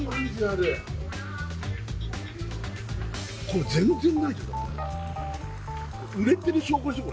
これ全然ないけどでしょ？